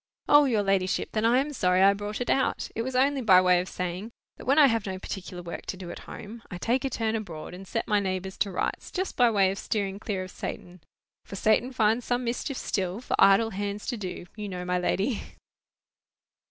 "O, your ladyship! then I am sorry I brought it out. It was only by way of saying, that when I have no particular work to do at home, I take a turn abroad, and set my neighbours to rights, just by way of steering clear of Satan. For Satan finds some mischief still For idle hands to do, you know, my lady."